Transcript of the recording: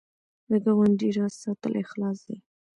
د ګاونډي راز ساتل اخلاص دی